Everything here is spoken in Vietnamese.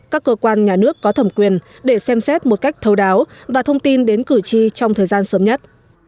các cơ quan nhà nước có thẩm quyền để xem xét một cách thấu đáo và thông tin đến cử tri trong thời gian sớm nhất